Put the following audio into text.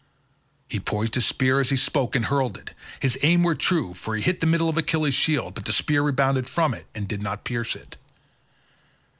He poised his spear as he spoke and hurled it. His aim was true for he hit the middle of Achilles' shield, but the spear rebounded from it, and did not pierce it.